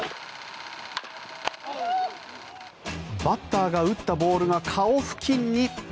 バッターが打ったボールが顔付近に。